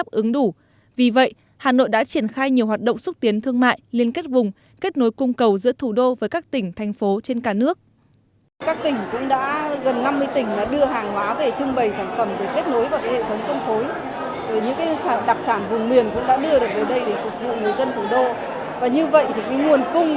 và như vậy thì cái nguồn cung của đáp ứng cho người dân thủ đô sẽ được đáp ứng một cách đầy đủ